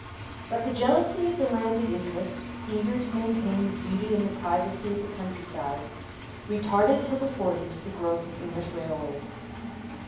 But the jealousy of the landed interest, eager to maintain the beauty and the privacy of the countryside, retarded till the forties the growth of English railways.